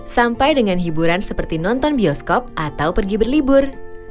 sampai dengan hiburan seperti nonton bioskop atau pergi berlibur